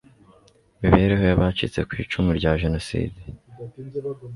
mibereho y abacitse ku icumu rya Jenoside